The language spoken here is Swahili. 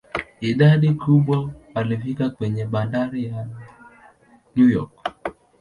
Idadi kubwa walifika kwenye bandari la New York.